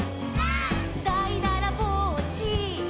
「」「だいだらぼっち」「」